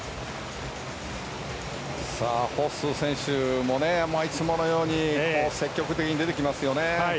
ホッスー選手もいつものように積極的に出てきますよね。